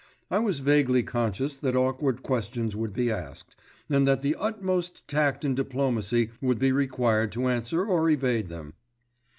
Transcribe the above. I was vaguely conscious that awkward questions would be asked, and that the utmost tact and diplomacy would be required to answer or evade them.